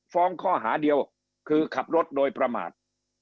ฟ้องข้อหาเดียวคือขับรถโดยประมาท